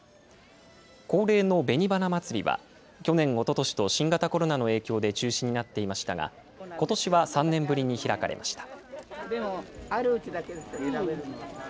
恒例のべに花まつりは、去年、おととしと新型コロナの影響で中止になっていましたが、ことしは３年ぶりに開かれました。